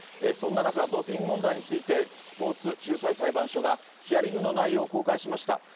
そんな中、ドーピング問題について、スポーツ仲裁裁判所が、ヒアリングの内容を公開しました。